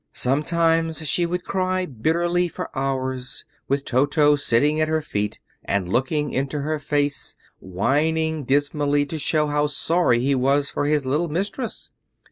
Sometimes she would cry bitterly for hours, with Toto sitting at her feet and looking into her face, whining dismally to show how sorry he was for his little mistress.